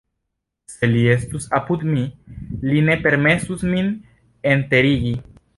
Se li estus apud mi, li ne permesus min enterigi.